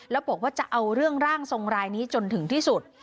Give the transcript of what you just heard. แล้วบอกว่าจะเอาเรื่องร่างทรงรายนี้จนถึงที่สุด